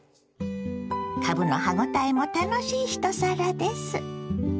かぶの歯応えも楽しい一皿です。